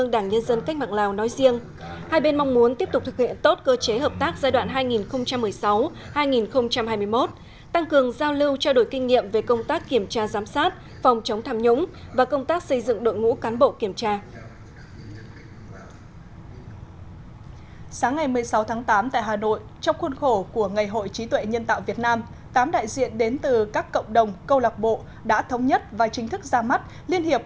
tám đại diện đến từ các cộng đồng câu lạc bộ đã thống nhất và chính thức ra mắt liên hiệp